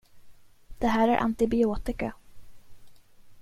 Det här är antibiotika.